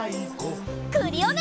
クリオネ！